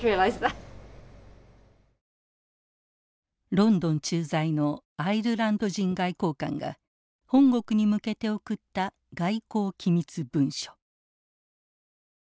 ロンドン駐在のアイルランド人外交官が本国に向けて送った外交機密文書。